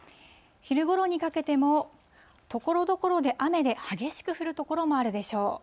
昼ごろにかけても、ところどころで雨で、激しく降る所もあるでしょう。